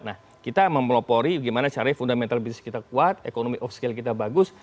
nah kita mempelopori gimana caranya fundamental bisnis kita kuat economic off scale kita bagus